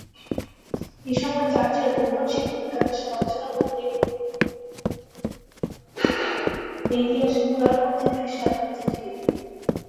এসময় চার্চের রক্ষণশীল ভূমিকাকে সমালোচনা করতে এগিয়ে আসেন উদারপন্থি খ্রিষ্টান বুদ্ধিজীবীরাও।